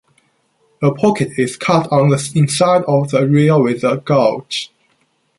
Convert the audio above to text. A pocket is cut on the inside of the rail with a gouge.